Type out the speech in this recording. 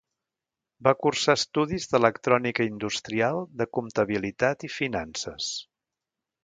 Va cursar estudis d'electrònica Industrial, de comptabilitat i finances.